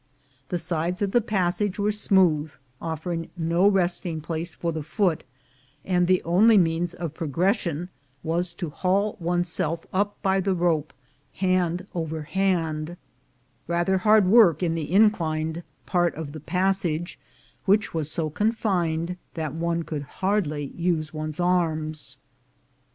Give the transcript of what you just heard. The sides of the passage were smooth, offering no resting place for the foot; and the only means of pro gression was to haul oneself up by the rope hand over hand — rather hard work in the inclined part of the passage, which was so confined that one could hardly use one's arms.